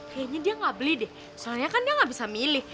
kayaknya dia nggak beli deh soalnya kan dia nggak bisa milih